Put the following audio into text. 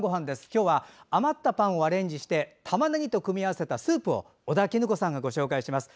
今日は余ったパンをアレンジしてたまねぎと組み合わせたスープを尾田衣子さんがご紹介します。